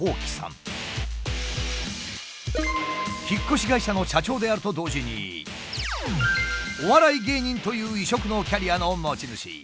引っ越し会社の社長であると同時にお笑い芸人という異色のキャリアの持ち主。